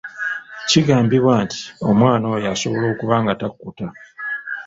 Kigambibwa nti omwana oyo asobola okuba nga takkuta.